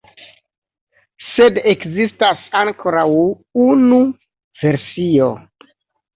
Sed ekzistas ankoraŭ unu versio.